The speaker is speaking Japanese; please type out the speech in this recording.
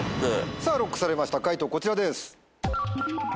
さぁＬＯＣＫされました解答こちらです。